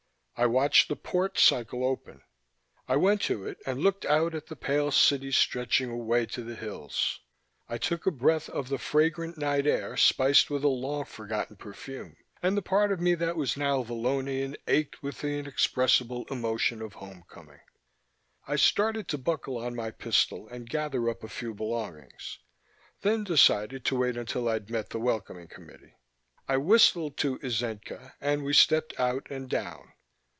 I watched the port cycle open; I went to it and looked out at the pale city stretching away to the hills. I took a breath of the fragrant night air spiced with a long forgotten perfume, and the part of me that was now Vallonian ached with the inexpressible emotion of homecoming. I started to buckle on my pistol and gather up a few belongings, then decided to wait until I'd met the welcoming committee. I whistled to Itzenca and we stepped out and down.